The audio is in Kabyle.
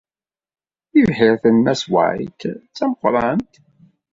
Tibḥirt n Mass White d tameqrant.